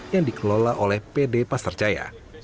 yang dikelola oleh pd pasar jaya